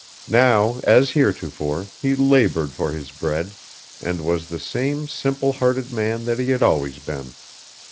Now, as heretofore, he labored for his bread, and was the same simple hearted man that he had always been.